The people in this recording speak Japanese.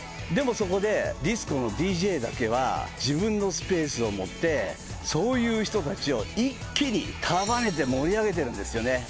でもそこでディスコのＤＪだけは自分のスペースを持ってそういう人たちを一気に束ねて盛り上げてるんですよね。